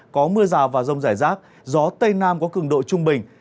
có mưa rào và rồng giải rác gió tây nam có cường độ trung bình